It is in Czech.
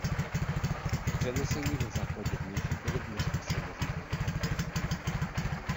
Přenesení na základě vnější podobnosti se nazývá metafora.